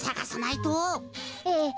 ええ。